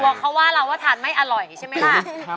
กลัวเขาว่าเราทานไม่อร่อยใช่ไหมค่ะ